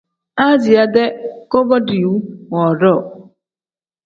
Aziya-dee koba diiwu woodoo.